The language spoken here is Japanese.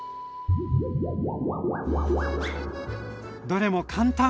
どれも簡単。